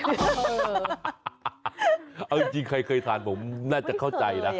เอาจริงใครเคยทานผมน่าจะเข้าใจนะ